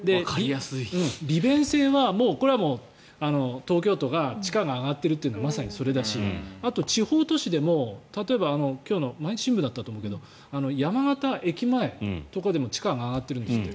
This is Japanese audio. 利便性はこれはもう東京都が地価が上がってるというのはまさにそれだしあとは地方としても例えば今日の毎日新聞だったと思うけど山形駅前とかでも地価が上がってるんですって。